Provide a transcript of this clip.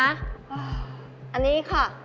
อันนี้ค่ะ